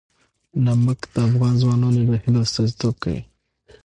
نمک د افغان ځوانانو د هیلو استازیتوب کوي.